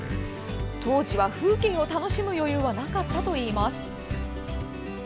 当時は、風景を楽しむ余裕はなかったといいます。